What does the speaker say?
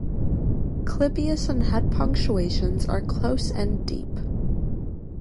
Clypeus and head punctuations are close and deep.